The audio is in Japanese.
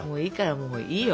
もういいよ。